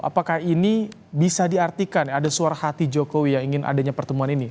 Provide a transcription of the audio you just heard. apakah ini bisa diartikan ada suara hati jokowi yang ingin adanya pertemuan ini